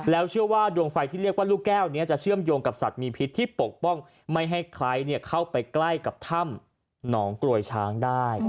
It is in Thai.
แล้วเชื่อว่าดวงไฟที่เรียกว่าลูกแก้วนี้จะเชื่อมโยงกับสัตว์มีพิษที่ปกป้องไม่ให้ใครเข้าไปใกล้กับถ้ำหนองกรวยช้างได้